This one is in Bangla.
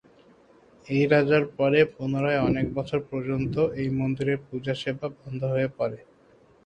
এই রাজার পরে পুনরায় অনেক বছর পর্যন্ত এই মন্দিরের পূজা-সেবা বন্ধ হয়ে পড়ে।